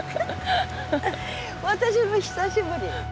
私も久しぶり。